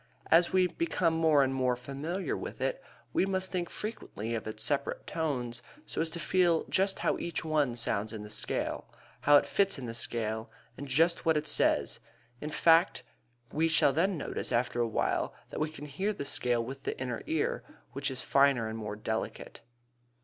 As we become more and more familiar with it we must think frequently of its separate tones so as to feel just how each one sounds in the scale, how it fits in the scale, and just what it says, in fact; we shall then notice after a while that we can hear the scale with the inner ear, which is finer and more delicate.